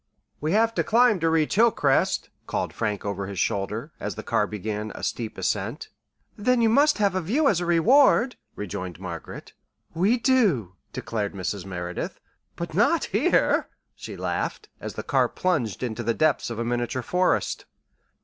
"We have to climb to reach Hilcrest," called Frank over his shoulder, as the car began a steep ascent. "Then you must have a view as a reward," rejoined Margaret. "We do," declared Mrs. Merideth, "but not here," she laughed, as the car plunged into the depths of a miniature forest.